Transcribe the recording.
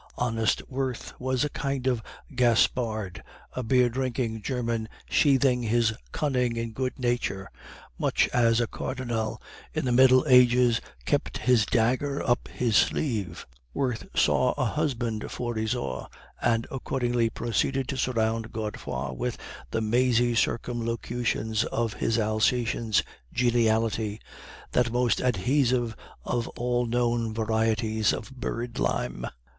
Honest Wirth was a kind of Gaspard, a beer drinking German sheathing his cunning in good nature, much as a cardinal in the Middle Ages kept his dagger up his sleeve. Wirth saw a husband for Isaure, and accordingly proceeded to surround Godefroid with the mazy circumlocutions of his Alsacien's geniality, that most adhesive of all known varieties of bird lime.